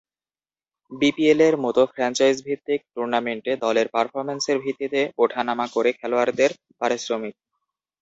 বিপিএলের মতো ফ্র্যাঞ্চাইজিভিত্তিক টুর্নামেন্টে দলের পারফরম্যান্সের ভিত্তিতে ওঠা নামা করে খেলোয়াড়দের পারিশ্রমিক।